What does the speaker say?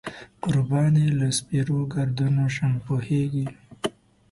قربان یې له سپېرو ګردونو شم، پوهېږې.